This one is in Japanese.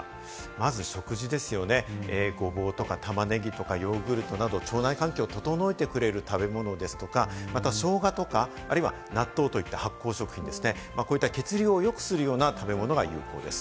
まず食事ですよね、ごぼうとか玉ねぎとかヨーグルトなど、腸内環境を整えてくれる食べ物ですとか、またショウガとか、あるいは納豆といった発酵食品ですね、こういう血流をよくするような食べ物が有効です。